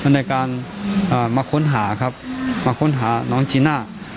ในการมาค้นหาครับมาค้นหาน้องจีน่า